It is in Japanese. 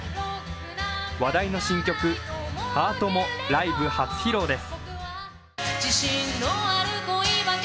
話題の新曲「ハート」もライブ初披露です。